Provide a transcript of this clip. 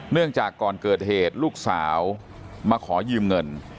จากก่อนเกิดเหตุลูกสาวมาขอยืมเงิน